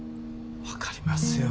分かりますよ。